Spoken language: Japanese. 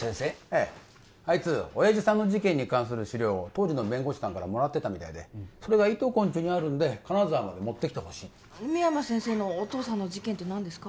ええあいつ親父さんの事件に関する資料を当時の弁護士さんからもらってたみたいでそれが「いとこんち」にあるんで金沢まで持ってきてほしいって深山先生のお父さんの事件って何ですか？